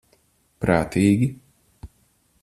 Prātīgi.